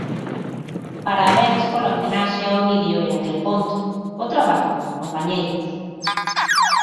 Parabéns pola homenaxe a Ovidio e a Delpónt, bo traballo, compañeiros.